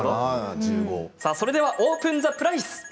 それでは、オープンザプライス。